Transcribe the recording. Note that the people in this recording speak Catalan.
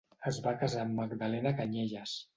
Es va casar amb Magdalena Canyelles.